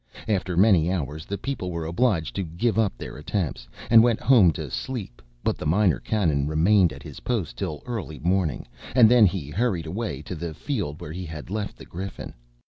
After many hours the people were obliged to give up their attempts, and went home to sleep; but the Minor Canon remained at his post till early morning, and then he hurried away to the field where he had left the Griffin.